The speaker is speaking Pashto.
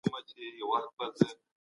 یوازې شکایت کول ستونزه نه حلوي.